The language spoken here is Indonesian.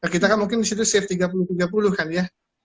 kita kan mungkin disitu safe tiga puluh tiga puluh kan ya